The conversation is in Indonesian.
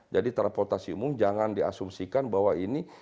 jadi transportasi umum jangan diasumsikan bahwa ini